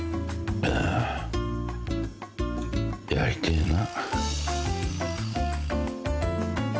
ああやりてえな。